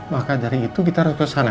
maka dari itu kita harus ke sana